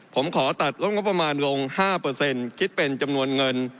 ผมขอตัดลดงบประมาณลงห้าเปอร์เซ็นต์คิดเป็นจำนวนเงิน